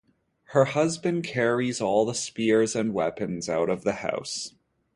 Her husband carries all spears and weapons out of the house.